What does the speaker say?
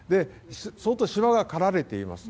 相当、芝が刈られています。